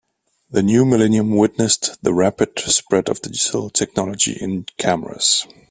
The new millennium witnessed the rapid spread of digital technology in cameras.